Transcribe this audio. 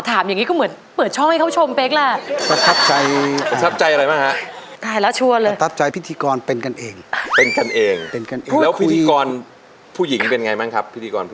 มาอยู่ในห้องส่งของเราพัทับใจอะไรมั้งครับ